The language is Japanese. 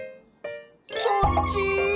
そっち？